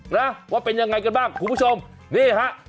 นะว่าเป็นยังไงกันบ้างคุณผู้ชมนี่ฮะ